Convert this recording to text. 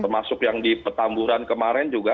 termasuk yang di petamburan kemarin juga